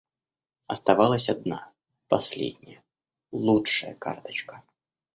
Оставалась одна, последняя, лучшая карточка.